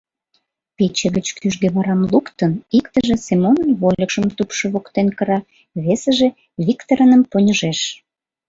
Пече гыч кӱжгӧ варам луктын, иктыже Семонын вольыкшым тупшо воктен кыра, весыже Виктырыным поньыжеш.